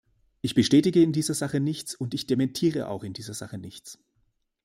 Ich bestätige in dieser Sache nichts, und ich dementiere auch in dieser Sache nichts.